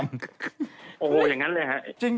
โอ้โหอย่างนั้นเลยฮะจริง